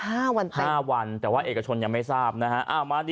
ห้าวันแต่ห้าวันแต่ว่าเอกชนยังไม่ทราบนะคะ